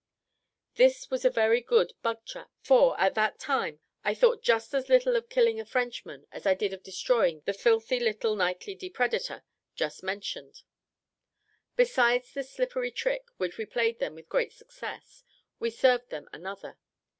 This was a very good bug trap; for, at that time, I thought just as little of killing a Frenchman as I did of destroying the filthy little nightly depredator just mentioned. Besides this slippery trick, which we played them with great success, we served them another.